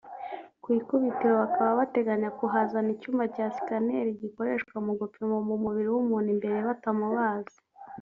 Ku ikubitiro bakaba bateganya kuhazana icyuma cya Sikaneri gikoreshwa mu gupima mu mubiri w’umuntu imbere batamubaze